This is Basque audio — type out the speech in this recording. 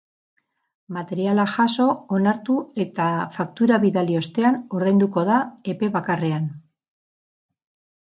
Materiala jaso, onartu eta faktura bidali ostean ordainduko da, epe bakarrean.